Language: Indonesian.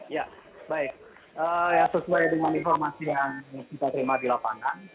ya baik sesuai dengan informasi yang kita terima di lapangan